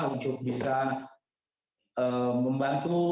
untuk bisa membantu